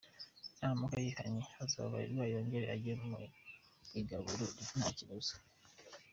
Naramuka yihannye azababarirwa yongere ajye ku igaburo nta kibazo.